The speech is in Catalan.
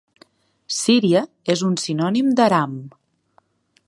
Syria és un sinònim d'Aram.